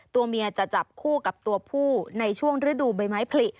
ตัวเมียจะจับคู่กับตัวผู้ในช่วงฤดูใบไม้ผลิ